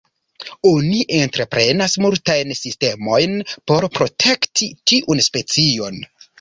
Oni entreprenas multajn sistemojn por protekti tiun specion.